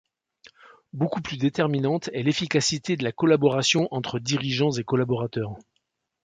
Beaucoup plus déterminante est l'efficacité de la collaboration entre dirigeants et collaborateurs.